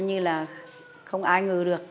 coi như là không ai ngờ được